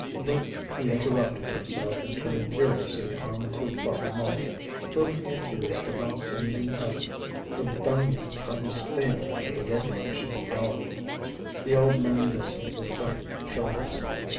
But he interrupted himself and turned furiously on to Father Mouque, whom he accused of not sending up the dung heap from his stable at the regulation hour. The old man listened with bent shoulders.